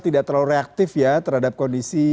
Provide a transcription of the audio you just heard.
tidak terlalu reaktif ya terhadap kondisi